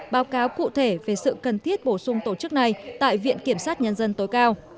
báo cáo cụ thể về sự cần thiết bổ sung tổ chức này tại viện kiểm sát nhân dân tối cao